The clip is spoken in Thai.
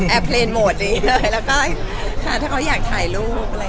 แอปเลนโหมดนี้เลยแล้วก็ถ้าเขาอยากถ่ายรูปอะไรอย่างนี้